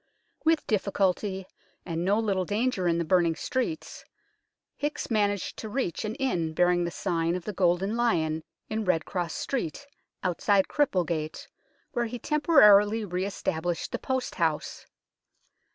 With difficulty, and no little danger in the burning streets, Hickes managed to reach an inn bearing the sign of the Golden Lion in Red Cross Street, outside Cripplegate, where he temporarily re established the post house.